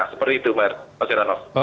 seperti itu pak zirano